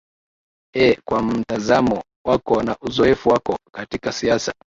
ee kwa mtazamo wako na uzoefu wako katika siasa